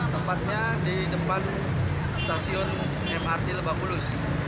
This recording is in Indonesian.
tempatnya di depan stasiun mrt lebak bulus